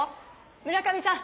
村上さん！